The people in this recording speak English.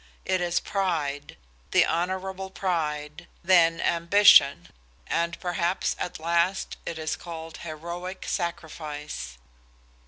It is pride, then honorable pride, then ambition, and perhaps at the last it is called heroic sacrifice.